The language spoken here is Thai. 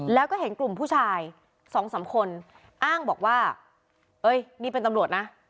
แล้วก็เห็นกลุ่มผู้ชายสองสามคนอ้างบอกว่าเอ้ยนี่เป็นตำรวจนะ